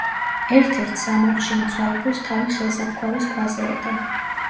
ერთ-ერთ სამარხში მიცვალებულს თავი ხელსაფქვავის ქვაზე ედო.